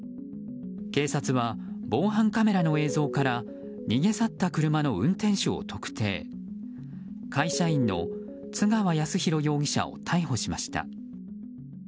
警察は防犯カメラの映像から逃げ去った車の運転手を特定会社員の津川泰洋容疑者を逮捕しました。